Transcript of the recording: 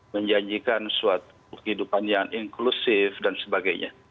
menjanjikan suatu kehidupan yang inklusif dan sebagainya